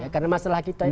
karena masalah kita itu